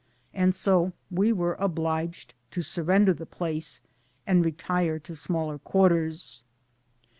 And so we were obliged to surrender the place, and retire to smaller quarters.